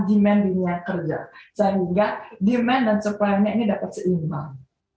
disabilitas yang mereka inginkan dengan permintaan demand dunia kerja sehingga demand dan supply nya ini dapat seimbang